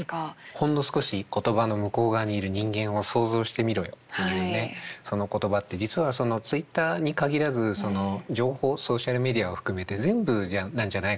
「ほんの少し言葉の向こう側にいる人間を想像してみろよ」というねその言葉って実はそのＴｗｉｔｔｅｒに限らず情報ソーシャルメディアを含めて全部なんじゃないかなと。